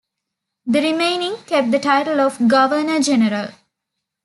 The remaining, kept the title of "governor-general".